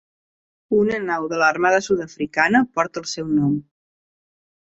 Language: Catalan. Una nau de l'armada sud-africana porta el seu nom.